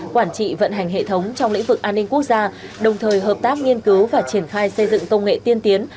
quản trị vận hành hệ thống trong lĩnh vực an ninh quốc gia đồng thời hợp tác nghiên cứu và triển khai xây dựng công nghệ tiên tiến